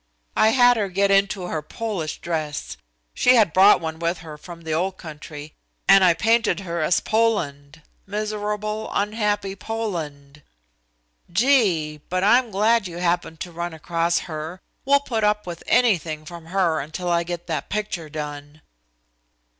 I had her get into her Polish dress she had brought one with her from the old country and I painted her as Poland miserable, unhappy Poland. Gee! but I'm glad you happened to run across her. We'll put up with anything from her until I get that picture done."